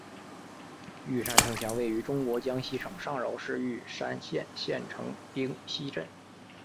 玉山城墙位于中国江西省上饶市玉山县县城冰溪镇。